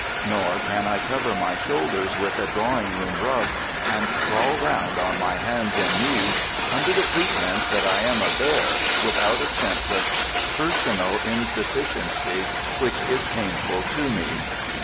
Nor can I cover my shoulders with a drawing room rug and crawl round on my hands and knees under the pretence that I am a bear without a sense of personal insufficiency, which is painful to me.